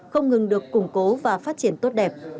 không ngừng được củng cố và phát triển tốt đẹp